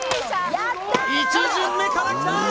１巡目からきたー！